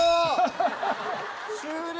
終了！